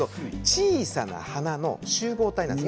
小さな花の集合体です。